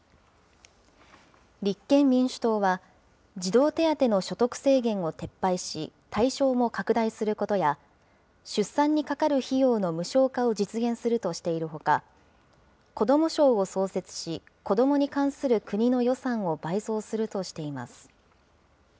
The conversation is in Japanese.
立憲民主党は、児童手当の所得制限を撤廃し、対象も拡大することや、出産にかかる費用の無償化を実現するとしているほか、子ども省を創設し、子どもに関する国の予算を倍増するとしています。